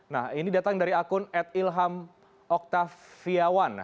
nah ini datang dari akun ad ilham oktaviawan